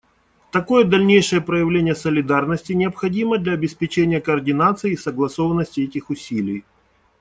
Такое дальнейшее проявление солидарности необходимо для обеспечения координации и согласованности этих усилий.